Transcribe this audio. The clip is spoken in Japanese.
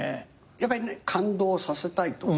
やっぱり感動させたいとか？